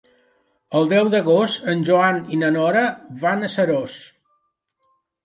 El deu d'agost en Joan i na Nora van a Seròs.